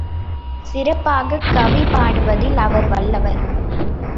சிறப்பாகக் கவி பாடுவதில் அவர் வல்லவர்.